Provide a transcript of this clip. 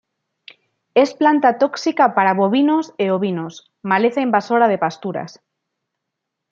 Es planta tóxica para bovinos e ovinos, maleza invasora de pasturas.